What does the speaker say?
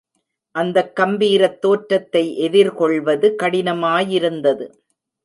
அந்தக் கம்பீரத் தோற்றத்தை எதிர்கொள்வது கடினமாயிருந்தது.